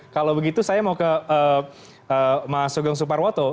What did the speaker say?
kalau begitu saya mau ke mas sugeng suparwoto